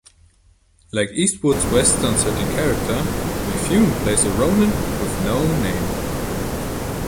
Like Eastwood's western setting character, Mifune plays a ronin with no name.